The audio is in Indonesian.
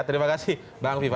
terima kasih bang viva